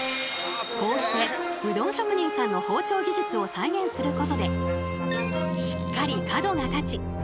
こうしてうどん職人さんの包丁技術を再現することでしっかり角が立ちのどごしのいいうどんに。